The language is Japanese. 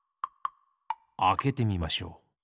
あけてみましょう。